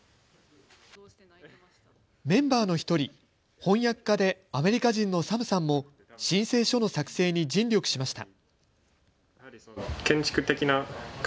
メンバーの１人、翻訳家でアメリカ人のサムさんも申請書の作成に尽力しました。